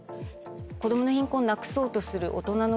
子供の貧困をなくそうとする。